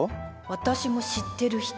私も知ってる人？